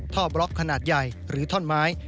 บล็อกขนาดใหญ่หรือท่อนไม้